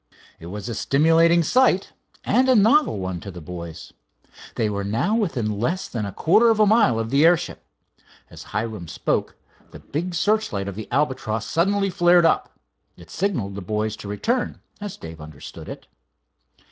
It was a stimulating sight and a novel one to the boys. They were now within less than a quarter of a mile of the airship. As Hiram spoke, the big searchlight of the Albatross suddenly flared up. It signalled the boys to return, as Dave understood it.